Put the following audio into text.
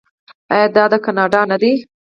آیا دا دی کاناډا نه دی؟